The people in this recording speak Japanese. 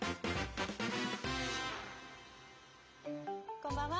こんばんは。